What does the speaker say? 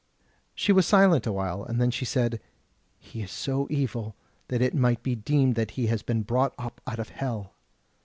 She was silent a while, and then she said: "He is so evil that it might be deemed that he has been brought up out of hell."